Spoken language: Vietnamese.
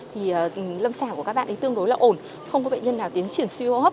thì lâm sả của các bạn ấy tương đối là ổn không có bệnh nhân nào tiến triển suy hô hấp